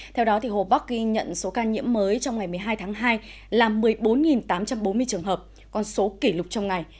theo đó hồ bắc ghi nhận số ca nhiễm mới trong ngày một mươi hai tháng hai là một mươi bốn tám trăm bốn mươi trường hợp con số kỷ lục trong ngày